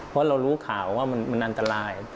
เพราะเรารู้ข่าวว่ามันอันตราย